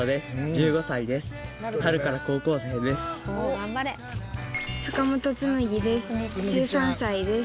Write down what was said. １３歳です。